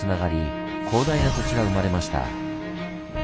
広大な土地が生まれました。